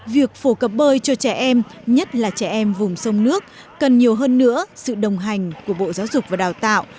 việc phổ cập bơi cho trẻ em nhất là trẻ em vùng sông nước cần nhiều hơn nữa sự đồng hành của bộ giáo dục và đào tạo